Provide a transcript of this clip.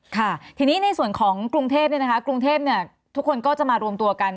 ค่ะทีนี้ในส่วนของกรุงเทพฯทุกคนก็จะมารวมตัวกัน